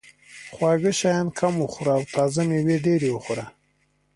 خواږه شیان کم وخوره او تازه مېوې ډېرې وخوره.